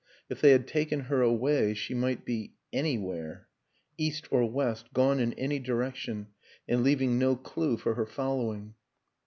If they had taken her away, she might be ... anywhere ! East or west, gone in any direction, and leaving no clew for her following.